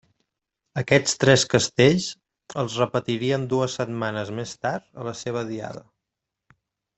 Aquests tres castells els repetirien dues setmanes més tard a la seva diada.